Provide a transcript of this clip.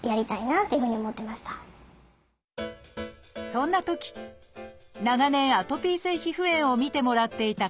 そんなとき長年アトピー性皮膚炎を診てもらっていた